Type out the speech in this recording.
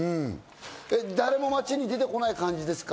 誰も街に出てこない感じですか？